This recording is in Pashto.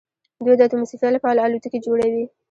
دوی د اتموسفیر لپاره الوتکې جوړوي.